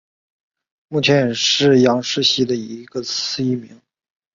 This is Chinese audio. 目前也是杨氏蜥的一个次异名。